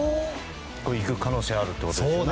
行く可能性あるってことですね。